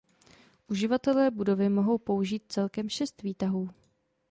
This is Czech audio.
Uživatelé budovy mohou použít celkem šest výtahů.